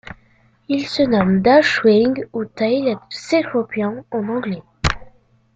Il se nomme Dashwing ou Tailed Cecropian en anglais.